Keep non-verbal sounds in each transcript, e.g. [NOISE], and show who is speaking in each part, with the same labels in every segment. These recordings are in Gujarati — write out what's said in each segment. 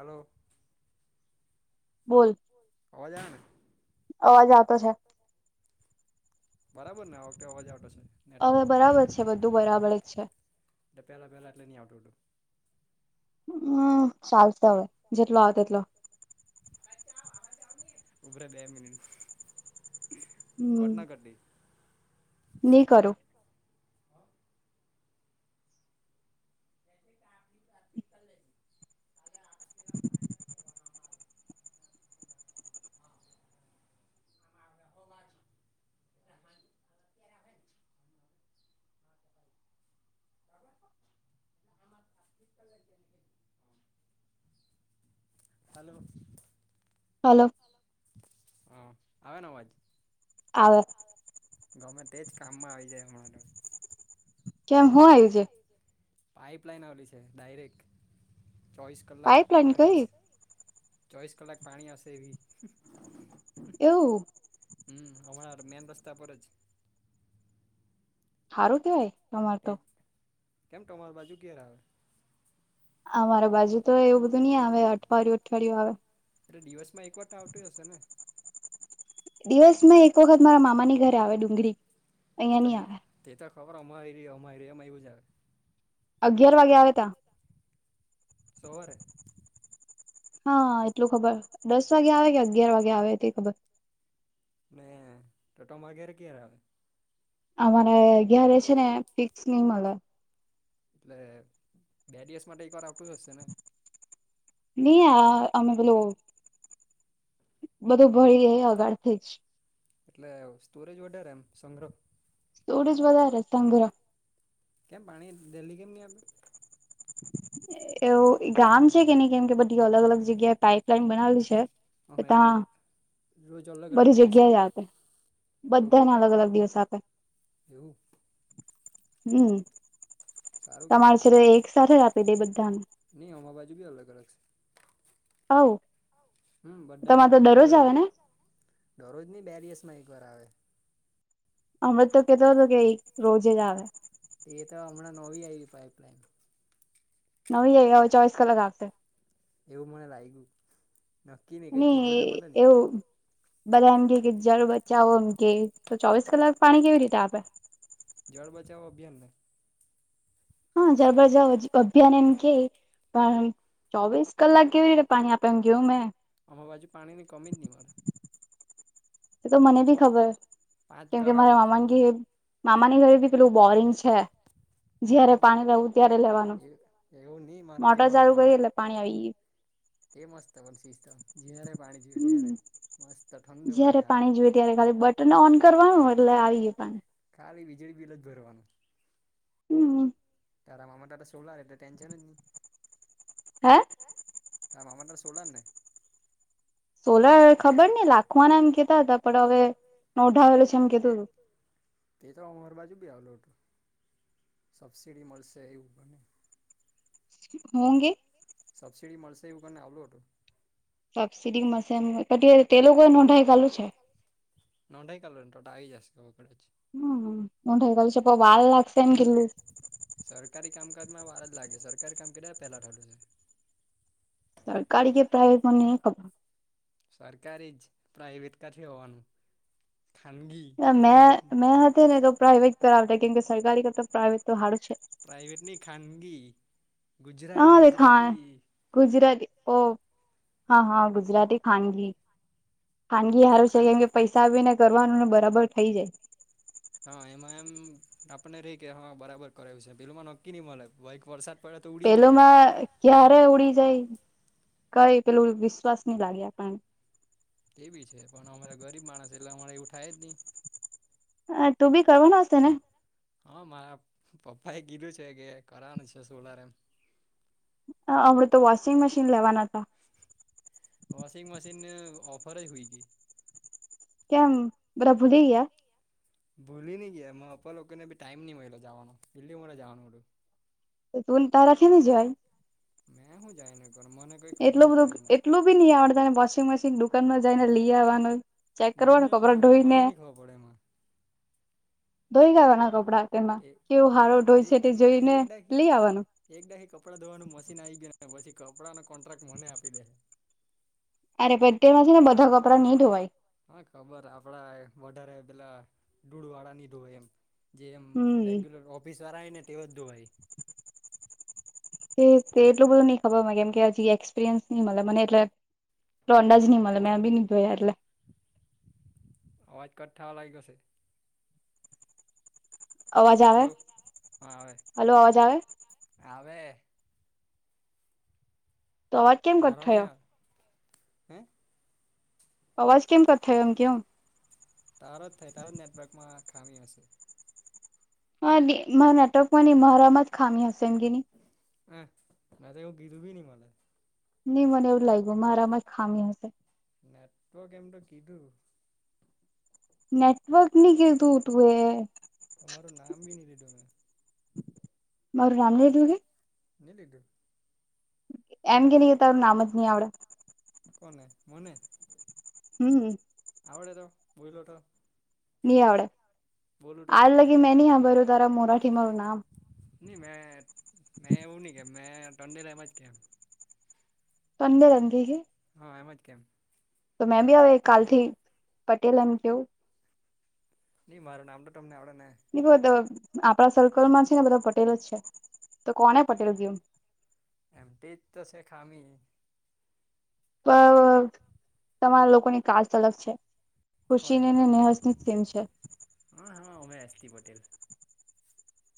Speaker 1: હલો
Speaker 2: બોલ.
Speaker 1: અવાજ આવે ને અવાજ આવે છે. બરાબર ને આ વખતે અવાજ આવટો છે.
Speaker 2: હવે બરાબર છે બધું બરાબર જ છે.
Speaker 1: પેલા પેલા એટલે ની આવતુંતું
Speaker 2: હમ્મ ચાલસે હવે જેટલો આવે તેટલો
Speaker 1: ઉભરે બે મિનિટ. ઘટના ઘટી.
Speaker 2: ની કરુ.
Speaker 1: તેથી કામની વાત કરી લ‌ઇશ.
Speaker 2: [UNINTELLIGIBLE]
Speaker 1: હા [INAUDIBLE] બરાબર લ [INAUDIBLE] હલો.
Speaker 2: હાલો.
Speaker 1: હા આવે ને અવાજ.
Speaker 2: આવ.
Speaker 1: ગમે તેજ કામમાં આવી જાય હમણાં તો. ઘરે પાઈપલાઇન આવેલી છે ડાયરેક્ટ ચોઈસ. કલાક પાણી આવશે ચોવીસ કલાક પાણી આવશે એ બી.
Speaker 2: એવું.
Speaker 1: હમ હમણાં મેન રસ્તા પર જ.
Speaker 2: હારું કહેવાય.
Speaker 1: એજ કેમ તમાર બાજુ કેયારે આવે.
Speaker 2: અમારે બાજુ તો એવું બધું નહી આવે અઠવાડિયું અઠવાડિયું આવે.
Speaker 1: એટલે દિવસમાં એક વાર આવતુ હશે ને.
Speaker 2: દિવસ મેં એક વખત મારા મામાની ઘરે આવે ડુંગળી અહિયાં ની આવે.
Speaker 1: તે તો ખબર અમારી ર અમારી ર અમાજ નજીક. સવારે.
Speaker 2: હા એટલું ખબર દસ વાગે આવે કે અગિયાર વાગે આવે તે ખબર.
Speaker 1: ને તમારે ઘેર કેયારે આવે.
Speaker 2: અમારે ઘય્યારે છે ને ટિક્સ નઈ મળે.
Speaker 1: એટલે બે દિવસ માટે એક વાર આવટું જ હશે ને.
Speaker 2: નહી આ અમે પેલું બધું ભળે આગળથી જ.
Speaker 1: એટલે સ્ટોરેજ વધેારે એમ સંગ્રહ.
Speaker 2: સ્ટોરેજ વધારે તંબુરા.
Speaker 1: કેમ પાણી ડેલી કેમ નની આપ.
Speaker 2: એવું ગામ છે કે નહી કેમ કે બધી અલગ અલગ જગ્યાએ પાઈપલાઈન બનાવેલી છે. ત બરી જગ્યા જા કર બધા ના અલગ અલગ દિવસ આપે. હમ તમારે છે એક સાથે જ આપી દે બધાને.
Speaker 1: નહીં અમા બાજુ બી અલગ અલગ છે. હમ બધા ને અમ અલગ અલગ. દરોજ નહીં બે દિવસ માં એક વાર આવે.
Speaker 2: અમે તો કેતો હતો કે રોજે જ આવે.
Speaker 1: એ તો હમણાં નોવી આવી પાઈપ લાઈન.
Speaker 2: નવી આઇ હવે ચોવીસ કલાક આપશે.
Speaker 1: એવું મને લાગ્યું નકી નને કઈ કીટ રોડને મળે ને.
Speaker 2: બધા એમ કે કે જળ બચાવો એમ કે, તો ચોવીસ કલાક પાણી કેવી રીતે આપે.
Speaker 1: જળ બચાવ અભિયાનને
Speaker 2: હા જળબજાવ અજ અભિયાન એમ કે પણ આમ ચોવીસ કલાક કેવી રીતે પાણી આપે એમ ગયું મેં
Speaker 1: આમા બાજુ પાણીની કમી જ નહીં મળે.
Speaker 2: એ તો મને બી ખબર કેમ કે મારા મામા ઘેર. મામાની ઘરે ભી પેલું બોરિંગ છે. જયારે પાણી લેવું ત્યારે લેવાનું મોટર ચાલુ કરી એટલે પાણી આવી ગયું.
Speaker 1: તે મસ્ત વન શીસ્થમ. ઝીઆરે પાણી પિયુ ત્યારે મસ્ત ઠંડુ પાણી આવે.
Speaker 2: [UNINTELLIGIBLE]
Speaker 1: ખાલી વીજળી બિલજ ભરવાનું.
Speaker 2: હમ્મ હમ્મ
Speaker 1: તારા મામા તાતો સોલર એટલે ટેન્શન જ ની
Speaker 2: હે
Speaker 1: તારા મામા ને ત્યાં તો સોલારને
Speaker 2: સોલર ખબર નહિ, લાખવાના એમ કેતા હતા, પણ હવે નોઢાવેલો છે એમ કેતું હતું.
Speaker 1: તે તો અમાર બાજુ બી આવેલોટ સબસિડી મળશે એવું બને
Speaker 2: હુ કે
Speaker 1: સબસીડી મળશે એવું કરીને આવલો હતું.
Speaker 2: સબસીડી મળસે એમ, પણ તે લોકો નોંધાય કાઢેલું છે.
Speaker 1: નોંધાઈ કરેલો તોતો આઇ જશે, [UNINTELLIGIBLE]
Speaker 2: હમ્મ, નોંધાઈ ગયું છે, પણ વાર લાગશે એમ કીધેલું
Speaker 1: સરકારી કામકાજમાં વારજ લાગે, સરકારી કામ કઈ દાડે પેલા થાતું છે.
Speaker 2: સરકારી કે પ્રાયવેટ મન ની ખબર
Speaker 1: સરકારી જ, પ્રાઈવેટ કાથી હોવાનું. ખાનગી
Speaker 2: ને મેં, મેં હતી ને તો પ્રાાઈવેટ કરાવતા, કેમકે સરકારી કરતા પ્રાઇવેટ તો હારું છે.
Speaker 1: પ્રાઈઇવેટ નહી ખાનગી, ગુજરાારી ગુજરાતી.
Speaker 2: ગુજરાતી ઓ, હા હા ગુજરાતી ખાનગી. ખાનગી હારું છે, કેમ કે પૈસા આવી ને કરવાનું ને બરાબર થઇ જાય.
Speaker 1: હા એમાં એમ આપને રહી કે, હા બરાબર કરેલુ છે. પેલોમાં નક્કી નહી મળે, ભઈ એક વરસાદ
Speaker 2: પેલોમાં ક્યારે ઉડી જાય, કઈ પેલું વિશ્વાસ નહી લાગે આપણને.
Speaker 1: એ બી છે, પણ અમે ગરીબ માણસ, એટલે અમારે એવું ઠાયજ નહી.
Speaker 2: હા, તો બી કરવાના શો ને?
Speaker 1: હા મારા પપ્પા એ કીધું છે કે, કરવાનું છે સોલાર એમ.
Speaker 2: હા હમણા તો વોશિંગ મશીન લેવાના હતા.
Speaker 1: વોશિંગ મશીન ની ઓફર એ હુઇ ગઇ.
Speaker 2: કેમ, બધા ભૂલી ગયા?
Speaker 1: ભૂલી નહી ગયા, મારા પપ્પા લોકોને બી ટાઈમ નહીં મળેલો જાવાનો, બીલીમોરા જવાનું હતું.
Speaker 2: એ તુન તારા થી નહિં જાય
Speaker 1: મેં હું જાયને કરું? મને
Speaker 2: એટલું બધું, એટલું બી નહી આવડતા તને વોશિંગ મશીન દુકાન મા જાયને લઈ આવવાનું હોય. ચેક કરવાનું કપરા ધઢોઈ ને
Speaker 1: તે હા તે એકદખી કે એક ડાહી કપડાં ધોવાનું મશીન આવી ગયું ને, પછી કપડાંનો કોન્ટ્રાક્ટ મને આપી દેહે.
Speaker 2: અરે બેટો નથી ને બધા કપડા નહી ધોવાય.
Speaker 1: હા ખબર આપડાએ વધારે પેલા દૂળ વાળા ની ધોવાય એમ. જે એમ રેગ્યુલર ઓફિસ વાળા આયને તેજ ધોવાય.
Speaker 2: એટલું બધું નહ ખબર મ કેમ કે હજી એક્સપિરિયન્સ ન મળ મને એટલે એ અંદાજ નહ મળે મેં બી ધોયા એટલે
Speaker 1: અવાજ કટ થાવા લાયગો છે. હલો અવાજ આવે હા આવે. અવાજ આવે આવે તારોની આવે હે
Speaker 2: અવાજ કેમ કટ થયો? એમ કેઉ.
Speaker 1: તારોજ થાય તારાજ નેટવર્કમાં ખામી હશે.
Speaker 2: હા બે, નાના તો કોની મારામાંજ ખામી હશે, એમ કેની
Speaker 1: એ મેતો એવું કીધું બી ની મળે.
Speaker 2: ની મને એવુંજ લાગ્યું, મારામાં જ ખામી હશે.
Speaker 1: નેટવર્ક એમ તો કીધું.
Speaker 2: નેટવર્ક ની કીધું તુંએ
Speaker 1: તમારું નામ બી ની લીધું મેં
Speaker 2: મારું નામ ની લીધું કે?
Speaker 1: નિ લિધૂ
Speaker 2: એમ કેની કે તારું નામ જ ની આવડે.
Speaker 1: કોને? મને.
Speaker 2: હમ
Speaker 1: આવડે તો બોયલો તો
Speaker 2: ની આવડે. આાજ લગી મેં ની હાભર્યું તારા મોઢાથી મારું નામ
Speaker 1: નીમેં મે એવું ની કેમ મે ટંડેલ એમજ કેમ?
Speaker 2: ટંડેલ એમ કેઈ કે
Speaker 1: હા એમજ કેમ?
Speaker 2: તો મેં બી હવે કાલ થી પટેલ એમ કેઉ
Speaker 1: ની મારું નામ તો તમને આવડે ને
Speaker 2: ની ખબર તો આપણા સર્કલમાં છે ને બધા પટેલ જ છે. તો કોણે પટેલ કેમ?
Speaker 1: એમ તેજ તો સે ખામી
Speaker 2: પણ તમારા લોકોની કાસ્ટ અલગ છે. ખુશી ને ને નેહસ ની જ સેમ છે.
Speaker 1: હા હા અમે એતસટી પટેલ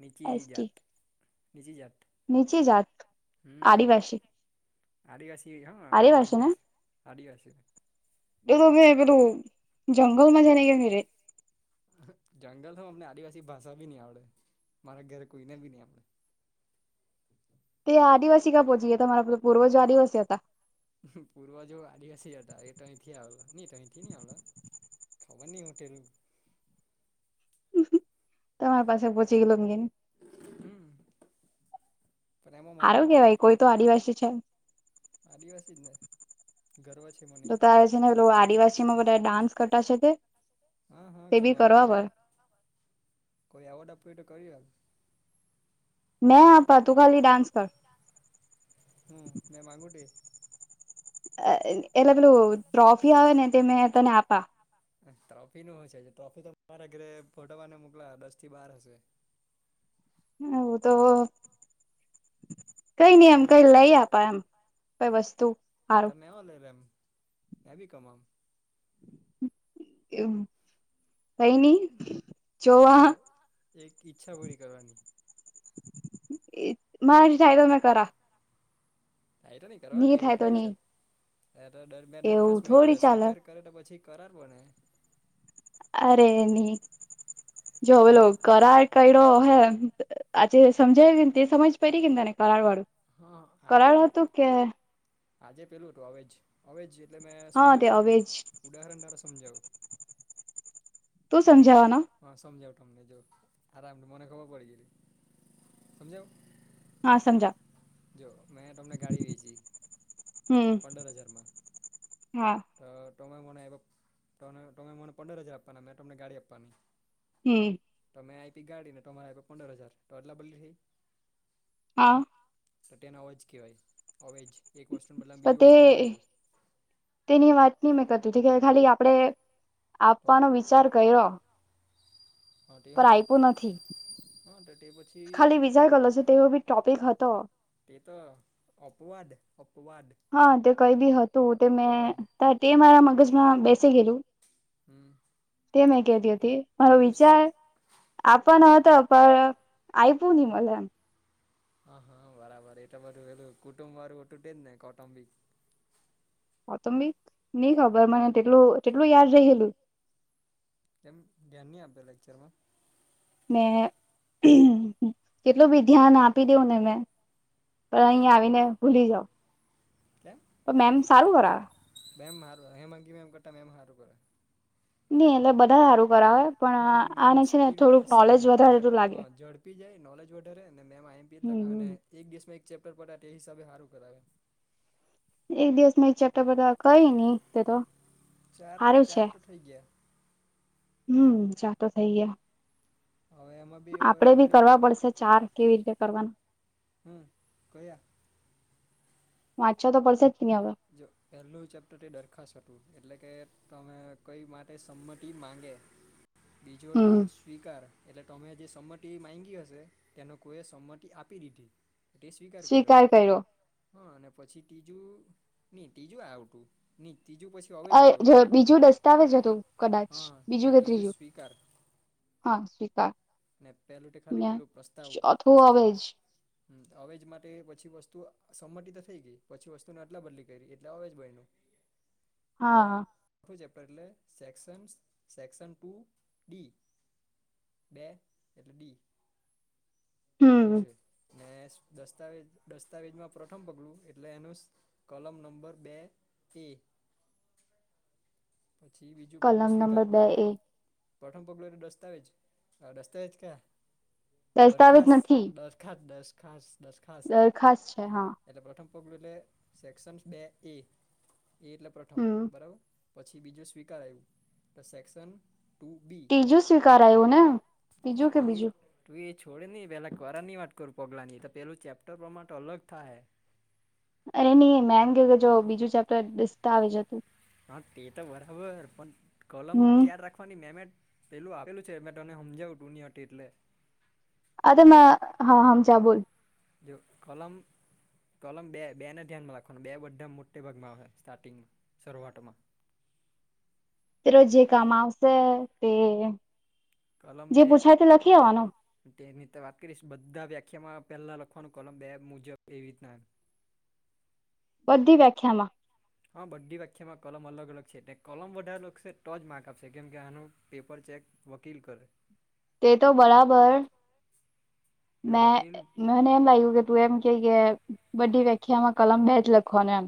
Speaker 1: નીચી જાત નીચી જાત.
Speaker 2: નીચી જાત આડિવાસી
Speaker 1: આડીવાસી હા અમાર નીસ આડીવાસી
Speaker 2: એ તો હવે બધું જંગલમાં જાને અહીંયે ની રે
Speaker 1: જંગલ હું અમને આદિવાસી ભાષા બી નહી આવડે મારા ઘરે કોઈને બી નહી આવડે.
Speaker 2: તે આદિવાસી કા પહોચી ગયા હતા તમારા પૂર્વજો આદવાસી હતા.
Speaker 1: પૂર્વ જો આડીવાસી જ હતા એ તયંથી આવેલા નિ તયંથીની આવેલા ખબર નહીં હું થયેલું
Speaker 2: તમારા પાસે પહોંચી ગયેલો એમ કેની
Speaker 1: હમ પણ એમહો મારે તો પતિ આદિવાસી જ ને ગર્વ છે.
Speaker 2: તો તારે છે ને પેલુ આદિવાસી માં બધા ડાન્સ કરતા શે તે
Speaker 1: હા હા ખબર પેલો કોઈ આવર્ડ આપ તો કરી હમ મેં માગુ તે
Speaker 2: અ એ ની એટલે પેલું ટ્રોફી આવે ને તે મેં તને આપા.
Speaker 1: ટ્રોફી નું હશે ટ્રોફી તો મારે ઘરે ફોટો પાડીને મોકલા દસ થી બાર હશે.
Speaker 2: હ હુંતો. કઈ નઈ એમ કઈ લઈ આપા એમ કઈ વસ્તુ સારું
Speaker 1: મેં હો લઈ લેમ મે ભી કમામ
Speaker 2: હ એવું
Speaker 1: તો એક ઈચ્છા પૂરી કરવાની.
Speaker 2: એ મારા થાય તો મે કરા.
Speaker 1: ઠાયતો ની કરવા ની એવું થોડી ચાલ હે તો ડર મેં ડરખાસ્ત મૂયકી અ સ્વીકાર કરે તો પછી કરાર બને.
Speaker 2: અરે નની જોવલો કર ક્યો હે આજે સમજાય તે સમજ પ કે તને કરાર વાળું. કરડ હતું કે
Speaker 1: આજે પેલું હતું હવે જ હવે જ એટલે મેં સમજાવું કે ઉદાહરણ દ્વાાર સમજાવ જો. હા સમજાવ તમને જોવ આરામ મને ખબર પડી ગ સમજાવ.
Speaker 2: હા સમજા
Speaker 1: જો મેં તમને ગાડી વેચી પંદર હજારમાં
Speaker 2: હા.
Speaker 1: તો તમે મનેન એવ તમે તમે મને પંદર હજાર આપવાના મે તમને ગાડી આપવાની.
Speaker 2: હમ.
Speaker 1: તમે આય્પી ગાડી ને તમારે આપી પંડર હજાર તો અદલા બદલી થઈ.
Speaker 2: હા.
Speaker 1: તો તેને અવેજ કેવાય અવેજ એક વસ્તુ બદલામ બીજું વસ્તુ મલ્યું.
Speaker 2: તેની વાત ની મેં કરતી તે કે ખાલી આપડે આપવાનો વિચાર કયરો. પર આય્પો નથી ખાલી વિજાર ગલો છે તેવો બી ટોપિક હતો.
Speaker 1: તે તો અપવાદ અપવાદ.
Speaker 2: હા તે કઈ બી હતું તે મેં ટ તે મારા મગજમાં બેસી ગેલું.
Speaker 1: હમ.
Speaker 2: તે મેં કેતી હતી. હરો વિચાર આપણ હતો પણ આય્પુ નહી મલે એમ.
Speaker 1: હા હા બરાબર એટ બધું પેલું કુટુંબ વારું હટુ ટેજ ને કૌટુંબિક.
Speaker 2: હા તો બ નઈ ની ખબર મનેટેટલું તેટલું યાદ રઈ ગેલું.
Speaker 1: તેમ ધ્યાન નહી આપે લેક્ચરમાં.
Speaker 2: મેં કેટલું બી ધ્યાન આપી દેઉં ને મેં પણ અહીયાં આવીને ભૂલી જાવ.
Speaker 1: કેમ બેમ હારું હેમાંકી મેમ કરતા મેમ હારું કર. એટલે બન એમ મેમ સ્પીડમાં દસેમ જક એમ જડ ટી જાય નોલેજ વધારે અને મેમ આઈ એમપી જ લખાવે ને એક દિવસ માં એક ચેપ્ટર પટે તે હિસાબે હારું કરાવે.
Speaker 2: એક દિવસ માં એક ચેપ્ટર બધા કઈ નહી તે તો.
Speaker 1: ચાર ચારટો ઠઈ ગ્યા.
Speaker 2: હમ ચારતો થઇ ગ્યા.
Speaker 1: હવે એમાં
Speaker 2: આપડે ભી કરવા પડશે ચાર કેવી રીતે કરવાનું.
Speaker 1: હમ કયા?
Speaker 2: વાંચવું તો પડશે જ નહી હવે.
Speaker 1: જો પહેલું ચેપ્ટર ટે ડરખાસ્ત હતું એટલે કે તમે કઈ માટે સંમટી માંગે બીજો તું સ્વીકાર એટલે તમે જે સંમટી માંયગી હશે ટેનો કોએ સંમટી આપી દીધી. તે સ્વીકાર કર્યો હા અને પછી ટીજું નહી ટીજું આવઠું ની ટીજું પછી
Speaker 2: આએ જ બીજું દસ્તાવેજ હતું કદાચ બીજું કે ત્રીજું. હા સ્વીકાર.
Speaker 1: ને પેલું ખાલી પેલું પ્રસ્તાવ ઉઠું પ્રસ્તાવના. હમ હવેજ માટે પછી વસ્તુ સમટી તો થઇ ગઈ પછી વસ્તુને આટલા બદલી કરી એટલે હવે જ બયનું. એટલે ચેપ્ટર એટલે સેક્શન્સ સેક્શન ટુ ડી. બે એટલે ડી એવું છે. ને દસ્તાવેજ દસ્તાવેજમાં પ્રથમ પગલું એટલે એનું- કલમ નંબર બે એ પછી બીજું પગલું સ્વીકાર કરું. પ્રઠમ પેલું દસ્તાવેજ હ દસ્તાવેજ ક્યાં દરખાસ્ત ડર ખાસ દસ ખાસ દસ ખાસ્ત. એટલે પ્રથમ પગલું એટલે સેક્શન્સ બે એ એ એટલે પ્રથમ બરાબર. પછી બીજું સ્વીકારાયું તો સેક્શન ટુ બી.
Speaker 2: બીજું સ્વીકારાયું ને?
Speaker 1: એ તું એ છોડે નહ પેલા કરા ની વાત કરું પગલાંની તો પેલું ચેપ્ટર પ્રમા તો અલગ થાય.
Speaker 2: અરે નહી મેંગે કે જો બીજું ચેપ્ટર દસ્તા આવી જ હતું.
Speaker 1: હા તે તો બરાબર પણ કોલમ યાદ રાખવાની મેમેટ. પેલું આપેલું છે મેં તને સમજાવું ટું ની અ એટલે-
Speaker 2: અ મે હા હમ ચા બોલ?
Speaker 1: જો કોલમ કલમ બે બેને ધ્યાનમાં રાખવાનું બે બધા મોટે ભાગમાં આવે સ્ટાર્ટિંગમાં શરૂઆતમાં-
Speaker 2: તે જે કામ આવશે તે-
Speaker 1: કોલંબે તેની તો વાત કરીશ બધા વ્યાખ્યામાં પહેલાં લખવાનું કલમ બે મુજબ એવી રીતના આવે-
Speaker 2: બધી વ્યાખ્યામાં
Speaker 1: [INAUDIBLE] હા બધી વા્યાખ્યામાં કલમ અલગ અલગ છે એટલે કલમ વધારે લશે ટ જ માર્ક આપશે કેમ કે આનું પેપર ચેક- વકીલ કરે-
Speaker 2: તે તો બરાબર મે- મને એમ લાગ્યું કે તું એમ કે કે બધી વ્યાખ્યામાં કલમ બેજ લખવા એમ.